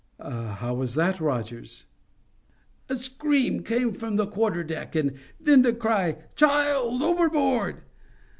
"How was that, Rogers?" "A scream came from the quarter deck, and then the cry: 'Child overboard!